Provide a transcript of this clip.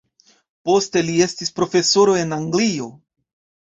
Poste li estis profesoro en Anglio.